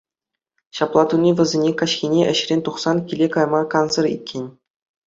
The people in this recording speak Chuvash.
Ҫапла туни вӗсене каҫхине ӗҫрен тухсан киле кайма кансӗр иккен.